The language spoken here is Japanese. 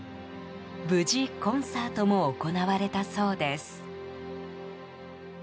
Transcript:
無事、コンサートも行われたそうです。